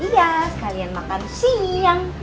iya sekalian makan siang